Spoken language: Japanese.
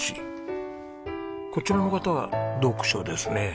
こちらの方は読書ですね。